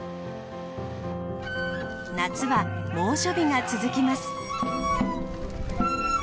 夏は猛暑日が続きます。